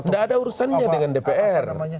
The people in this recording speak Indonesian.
tidak ada urusannya dengan dpr